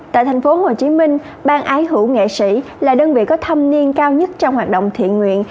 tại tp hcm ban ái hữu nghệ sĩ là đơn vị có thâm niên cao nhất trong hoạt động thị nguyện